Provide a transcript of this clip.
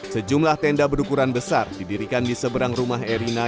sejumlah tenda berukuran besar didirikan di seberang rumah erina